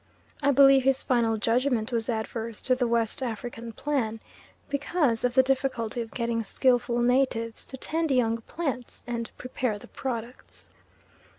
I believe his final judgment was adverse to the West African plan, because of the difficulty of getting skilful natives to tend young plants, and prepare the products.